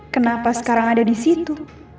kenapa sekarang ada di situ